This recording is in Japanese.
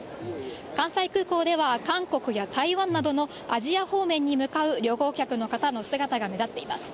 関西空港では、韓国や台湾などのアジア方面に向かう旅行客の方の姿が目立っています。